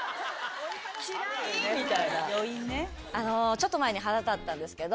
ちょっと前に腹立ったんですけど。